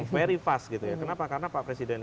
very fast gitu ya kenapa karena pak presiden